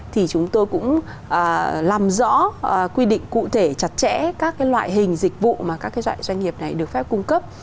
thì chúng tôi cũng làm rõ quy định cụ thể chặt chẽ các loại hình dịch vụ mà các loại doanh nghiệp này được phép cung cấp